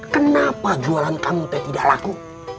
kenapa jualan kamu itu tidak laku